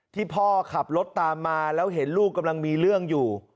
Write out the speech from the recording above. พ่อขับรถตามมาแล้วเห็นลูกกำลังมีเรื่องอยู่